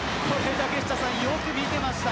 よく見ていました。